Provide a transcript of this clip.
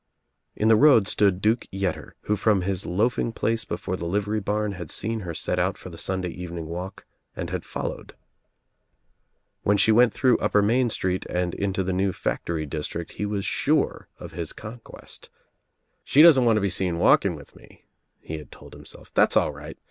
In the road stood Duke Yetter who from his loafing place before the livery barn had seen her set out for the Sunday evening walk and had followed. When she went through Upper Main Street and into the new factory district he was sure of his conquest. "She doesn't want to be seen walking with me," he had told himself, "that's all right.